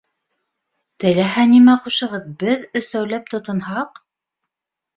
- Теләһә нимә ҡушығыҙ, беҙ өсәүләп тотонһаҡ...